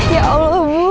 ya allah bu